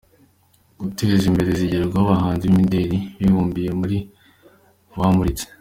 guteza imbere Zigerweho ahahanzi b’imideli. bibumbiye muri bamuritse.